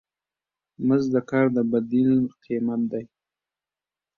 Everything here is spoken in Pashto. مزد د کار د بدیل قیمت دی.